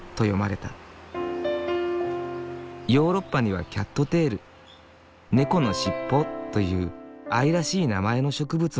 ヨーロッパにはキャットテール「猫のしっぽ」という愛らしい名前の植物もある。